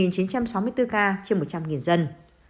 một chín trăm sáu mươi bốn ca trên một trăm linh dân